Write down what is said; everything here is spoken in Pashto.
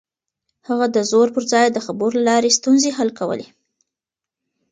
هغه د زور پر ځای د خبرو له لارې ستونزې حل کولې.